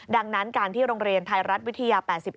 ดังนั้นการที่โรงเรียนไทยรัฐวิทยา๘๑